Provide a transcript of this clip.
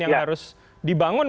yang harus dibangun